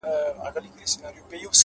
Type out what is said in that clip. لوړ فکر د نوښتونو سرچینه ده،